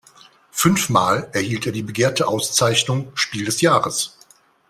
Fünfmal erhielt er die begehrte Auszeichnung Spiel des Jahres.